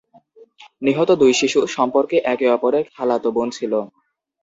নিহত দুই শিশু সম্পর্কে একে অপরের খালাতো বোন ছিল।